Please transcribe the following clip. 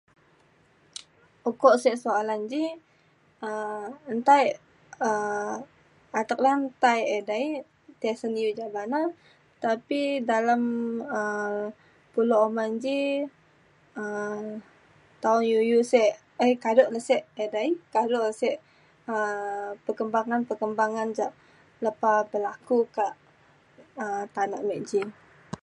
ukok sek soalan ji um nta e um atek lan tai edei tisen iu ja bana tapi dalem um pulo uman ji um tau iu iu sek um kado ne sek edei kado sek um perkembangan perkembangan ja lepa berlaku kak um tanak me ji